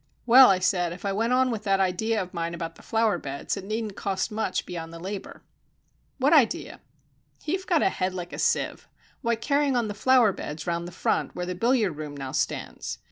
"Well," I said, "if I went on with that idea of mine about the flower beds it needn't cost much beyond the labour." "What idea?" "You've got a head like a sieve. Why, carrying on the flower beds round the front where the billiard room now stands.